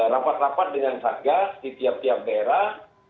rapat rapat dengan satgas di tiap tiap daerah